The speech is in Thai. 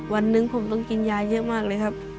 วันหนึ่งผมต้องกินยาเยอะมากเลยครับ